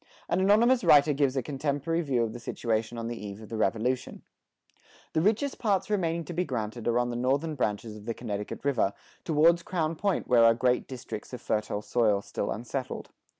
An anonymous writer gives a contemporary view of the situation on the eve of the Revolution:[72:3] The richest parts remaining to be granted are on the northern branches of the Connecticut river, towards Crown Point where are great districts of fertile soil still unsettled.